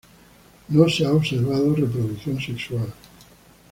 No se ha observado reproducción sexual.